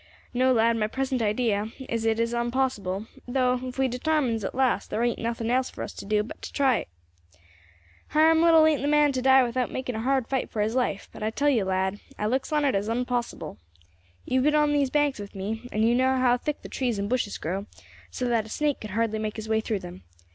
No, lad; my present idea is it is unpossible, though, if we detarmines at last there ain't nothing else for us to do but to try for it, Hiram Little ain't the man to die without making a hard fight for his life; but I tell you, lad, I looks on it as unpossible. You have been on these banks with me, and you know how thick the trees and bushes grow, so that a snake could hardly make his way through them.